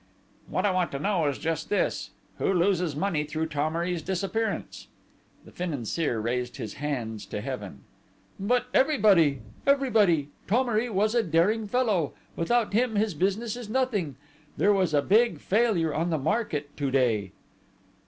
"What I want to know is just this: Who loses money through Thomery's disappearance?" The Financier raised his hands to Heaven. "But everybody! Everybody!... Thomery was a daring fellow: without him his business is nothing!... There was a big failure on the market to day."